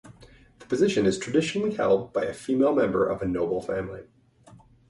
The position is traditionally held by a female member of a noble family.